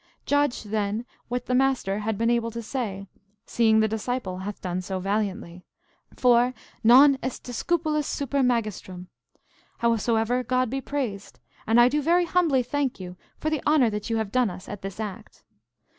Judge, then, what the master had been able to say, seeing the disciple hath done so valiantly; for, Non est discipulus super magistrum. Howsoever, God be praised! and I do very humbly thank you for the honour that you have done us at this act.